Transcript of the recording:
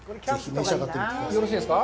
よろしいですか。